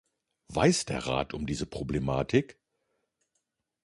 Weiß der Rat um diese Problematik?